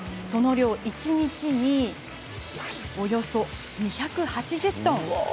その量、１日およそ２８０トン。